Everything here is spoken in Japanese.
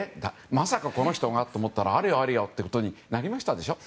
まさかこの人がと思ったらあれやあれやということになりましたでしょ。